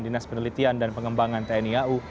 dinas penelitian dan pengembangan tni au